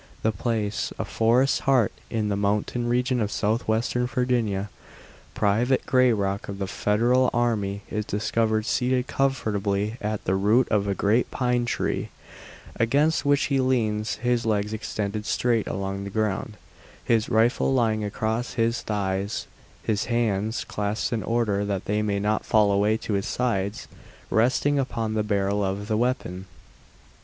The place, a forest's heart in the mountain region of southwestern Virginia. Private Grayrock of the Federal Army is discovered seated comfortably at the root of a great pine tree, against which he leans, his legs extended straight along the ground, his rifle lying across his thighs, his hands (clasped in order that they may not fall away to his sides) resting upon the barrel of the weapon.